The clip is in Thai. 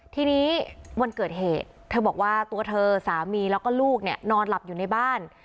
ทีนี้วันเกิดเหตุเธอบอกว่าตัวเธอสามีแล้วก็ลูกเนี่ยนอนหลับอยู่ในบ้าน